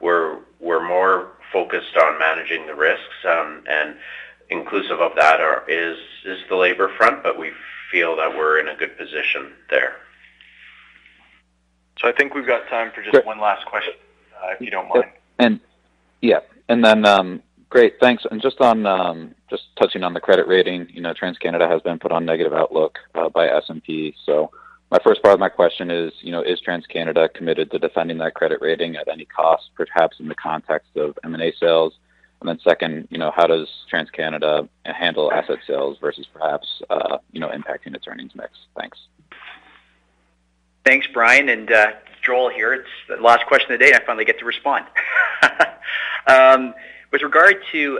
We're, we're more focused on managing the risks, and inclusive of that is the labor front, but we feel that we're in a good position there.
I think we've got time for just 1 last question, if you don't mind.
Yeah. Great. Thanks. Just on, just touching on the credit rating, you know, TransCanada has been put on negative outlook, by S&P. My first part of my question is, you know, is TransCanada committed to defending that credit rating at any cost, perhaps in the context of M&A sales? Second, you know, how does TransCanada handle asset sales versus perhaps, you know, impacting its earnings mix? Thanks.
Thanks, Brian. Joel here. It's the last question of the day, and I finally get to respond. With regard to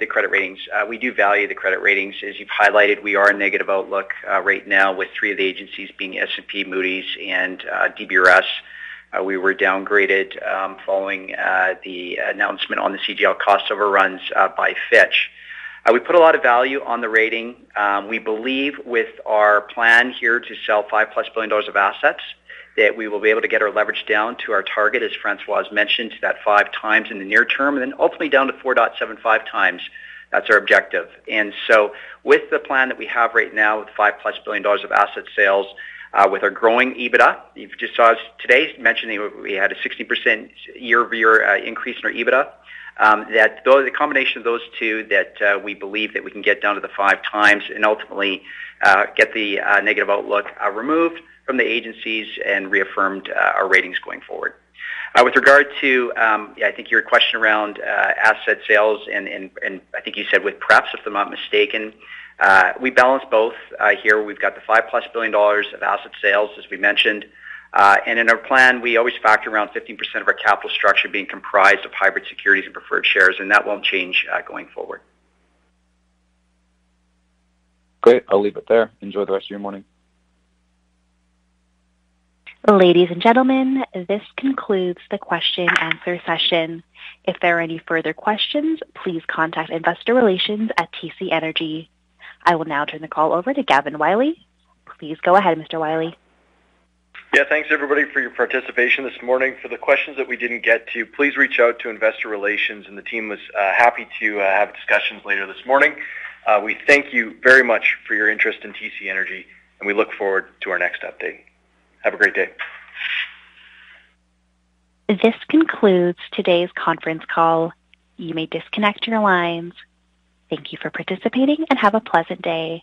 the credit ratings, we do value the credit ratings. As you've highlighted, we are a negative outlook right now with three of the agencies being S&P, Moody's and DBRS. We were downgraded following the announcement on the CGL cost overruns by Fitch. We put a lot of value on the rating. We believe with our plan here to sell 5+ billion dollars of assets, that we will be able to get our leverage down to our target, as François mentioned, to that 5 times in the near term, and then ultimately down to 4.75 times. That's our objective. With the plan that we have right now with $5+ billion of asset sales, with our growing EBITDA, you just saw us today mentioning we had a 16% year-over-year increase in our EBITDA, that the combination of those two that we believe that we can get down to the 5 times and ultimately get the negative outlook removed from the agencies and reaffirmed our ratings going forward. I think your question around asset sales and I think you said with perhaps, if I'm not mistaken, we balance both. We've got the $5+ billion of asset sales, as we mentioned. In our plan, we always factor around 15% of our capital structure being comprised of hybrid securities and preferred shares, and that won't change going forward.
Great. I'll leave it there. Enjoy the rest of your morning.
Ladies and gentlemen, this concludes the question and answer session. If there are any further questions, please contact Investor Relations at TC Energy. I will now turn the call over to Gavin Wylie. Please go ahead, Mr. Wylie.
Yeah. Thanks everybody for your participation this morning. For the questions that we didn't get to, please reach out to Investor Relations and the team was happy to have discussions later this morning. We thank you very much for your interest in TC Energy, and we look forward to our next update. Have a great day.
This concludes today's conference call. You may disconnect your lines. Thank you for participating and have a pleasant day.